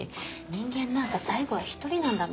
人間なんか最後は１人なんだもん。